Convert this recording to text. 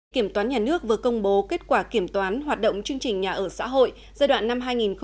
kiểm toán nhà nước vừa công bố kết quả kiểm toán hoạt động chương trình nhà ở xã hội giai đoạn năm hai nghìn một mươi một hai nghìn hai mươi